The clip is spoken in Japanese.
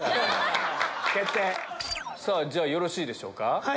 さぁよろしいでしょうか。